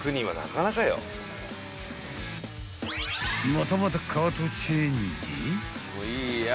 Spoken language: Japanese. ［またまたカートチェンジ］